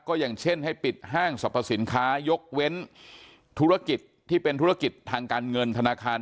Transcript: ก็อย่างเช่นให้ปิดห้างสรรพสินค้ายกเว้นธุรกิจที่เป็นธุรกิจทางการเงินธนาคาร